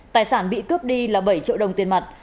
tài sản bị cướp đi là bảy triệu đồng tiền mặt